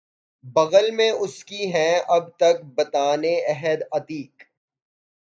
بغل میں اس کی ہیں اب تک بتان عہد عتیق